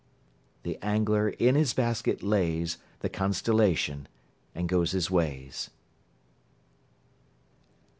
The angler in his basket lays The constellation, and goes his ways.